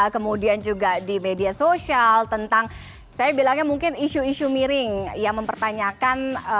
kemudian juga di media sosial tentang saya bilangnya mungkin isu isu miring yang mempertanyakan